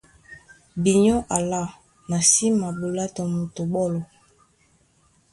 Binyɔ́ alâ, na sí maɓolá tɔ moto ɓɔ́lɔ.